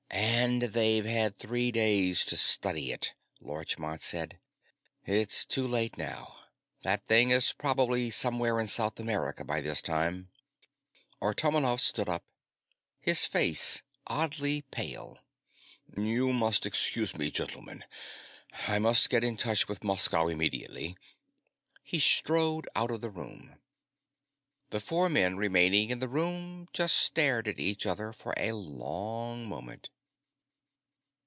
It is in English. "And they've had three days to study it," Larchmont said. "It's too late now. That thing is probably somewhere in South America by this time." Artomonov stood up, his face oddly pale. "You must excuse me, gentlemen. I must get in touch with Moscow immediately." He strode out of the room. The four men remaining in the room just stared at each other for a long moment.